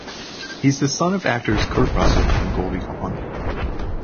He's the son of the actors Kurt Russell and Goldie Hawn.